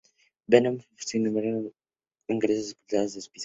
Vernon, sin ninguna fuente de ingresos, es expulsado de su piso.